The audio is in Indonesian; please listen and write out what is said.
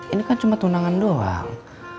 ini kan cuma tunangan doang